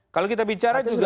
kalau kita bicara juga